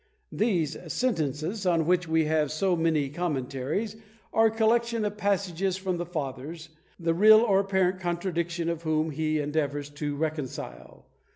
These Sentences, on which we have so many commentaries, are a collection of passages from the Fathers, the real or apparent contradictions of whom he endeavours to reconcile.